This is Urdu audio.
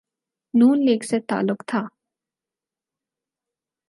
نون لیگ سے تعلق تھا۔